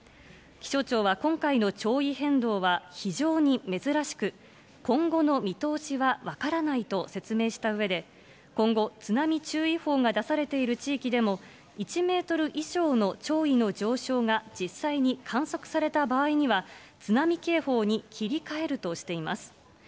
気象庁は今回の潮位変動は非常に珍しく、今後の見通しは分からないと説明したうえで、今後、津波注意報が出されている地域でも、１メートル以上の潮位の上昇が実際に観測された場合には、津波警報に切り替えるとしています。